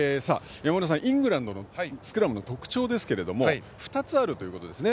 イングランドのスクラムの特徴ですけれども２つあるということですね。